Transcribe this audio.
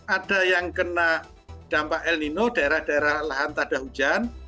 ada yang kena dampak el nino daerah daerah lahan tak ada hujan